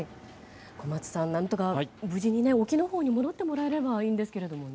小松さん、何とか無事に沖のほうに戻ってもらえればいいんですけどね。